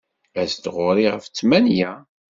As-d ɣur-i ɣef ttmenya.